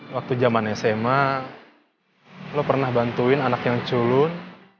waktu zaman sma lo pernah bantuin anak yang culun